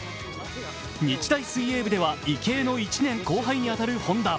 日大水泳部では池江の１年後輩に当たる本多。